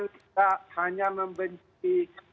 tidak hanya membenci